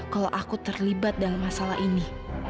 kalau aku terlibat dalam masalah ini